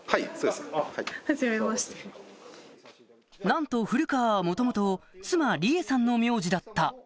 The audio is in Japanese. なんと古川は元々妻理恵さんの名字だった